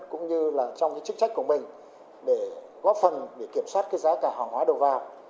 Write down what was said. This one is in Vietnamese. cũng như là trong cái chức trách của mình để góp phần để kiểm soát cái giá cả hàng hóa đầu vào